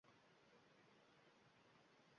tahlikali vaziyatlarda olovni alangalatmang.